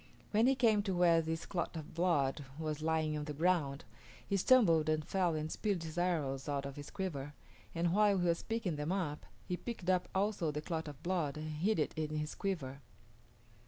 When he came to where this clot of blood was lying on the ground, he stumbled and fell and spilled his arrows out of his quiver, and while he was picking them up he picked up also the clot of blood and hid it in his quiver.